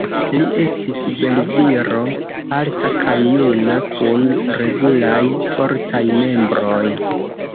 Li estis belviro, alta kaj juna, kun regulaj fortaj membroj.